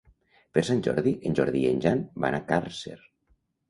Per Sant Jordi en Jordi i en Jan van a Càrcer.